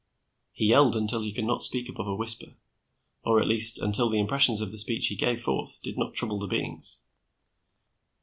He yelled until he could not speak above a whisper, or at least until the impressions of speech he gave forth did not trouble the beings.